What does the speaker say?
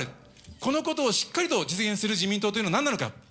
このことをしっかりと実現する自民党というのはなんなのか。